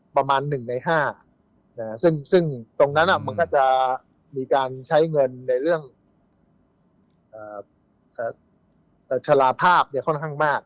ประมาณ๑ใน๕ซึ่งตรงนั้นมันก็จะมีการใช้เงินในเรื่องชะลาภาพค่อนข้างมาก